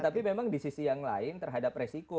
tapi memang di sisi yang lain terhadap resiko